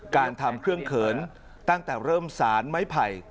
การทำเครื่องเขินตั้งแต่เริ่มสารไม้ไผ่